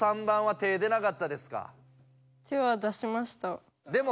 手は出しました。